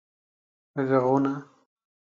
ږغونه